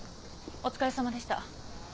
お疲れさまでした。